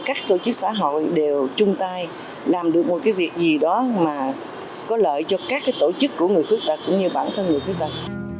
các tổ chức xã hội đều chung tay làm được một cái việc gì đó mà có lợi cho các tổ chức của người khuyết tật cũng như bản thân người khuyết tật